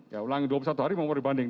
ya ulangi dua puluh satu hari memori banding